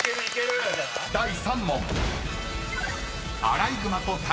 ［第３問］